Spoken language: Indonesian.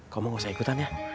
kamu gak usah ikutan ya